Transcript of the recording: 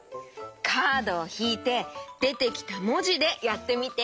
カードをひいてでてきたもじでやってみて。